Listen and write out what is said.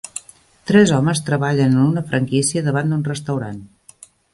Tres homes treballen en una franquícia davant d'un restaurant.